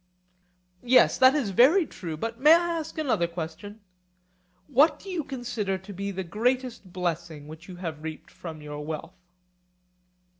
Yes, that is very true, but may I ask another question?—What do you consider to be the greatest blessing which you have reaped from your wealth?